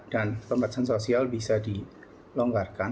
dan pembahasan sosial bisa dilonggarkan